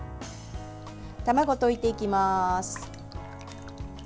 卵を溶いていきます。